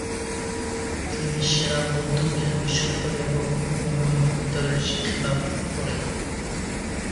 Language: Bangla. তিনি সেরা বৌদ্ধবিহার বিশ্ববিদ্যালয় এবং গ্যুমে মহাবিদ্যালয়ে শিক্ষালাভ করেন।